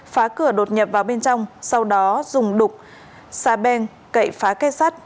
phá cửa đột nhập vào bên trong sau đó dùng đục sabeng cậy phá cây sắt